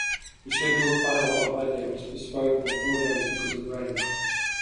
The scheduled final on Monday was postponed for four days because of rain.